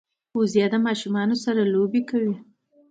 وزې د ماشومانو سره لوبې کوي